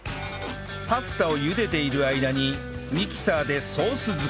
パスタを茹でている間にミキサーでソース作り